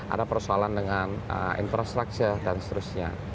ada persoalan dengan infrastruktur dan seterusnya